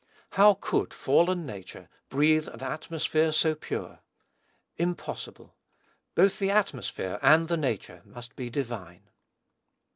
How could fallen nature breathe an atmosphere so pure? Impossible. Both the atmosphere and the nature must be divine.